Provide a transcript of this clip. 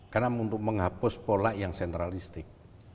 karena untuk menghapus pola yang sentralistik